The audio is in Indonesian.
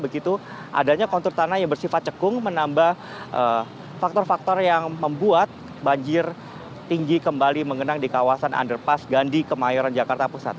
begitu adanya kontur tanah yang bersifat cekung menambah faktor faktor yang membuat banjir tinggi kembali mengenang di kawasan underpass gandhi kemayoran jakarta pusat